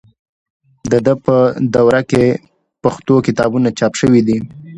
د ده په دوره کې پښتو کتابونه چاپ شوي دي.